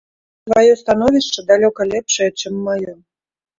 Тваё становішча далёка лепшае, чым маё.